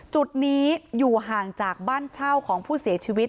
จุดนี้อยู่ห่างจากบ้านเช่าของผู้เสียชีวิต